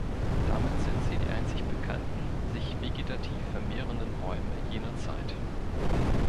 Damit sind sie die einzig bekannten sich vegetativ vermehrenden Bäume jener Zeit.